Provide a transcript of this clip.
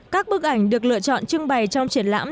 các bức ảnh được lựa chọn trưng bày trong triển lãm